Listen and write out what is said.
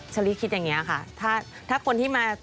เชอรี่คิดอย่างนี้ค่ะถ้าคนที่มา